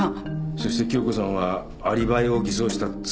そして杏子さんはアリバイを偽装した罪がある。